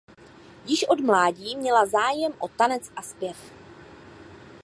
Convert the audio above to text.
Již od mládí měla zájem o tanec a zpěv.